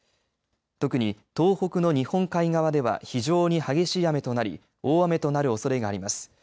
特に、東北の日本海側では非常に激しい雨となり大雨となるおそれがあります。